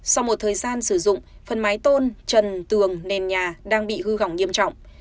sau một thời gian sử dụng phần mái tôn trần tường nền nhà đang bị hư hỏng nghiêm trọng